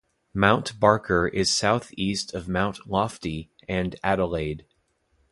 Mount Barker is south east of Mount Lofty and Adelaide.